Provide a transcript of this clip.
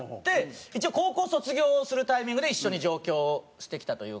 一応高校卒業するタイミングで一緒に上京してきたというか。